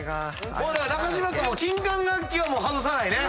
中島君「金管楽器」はもう外さないね。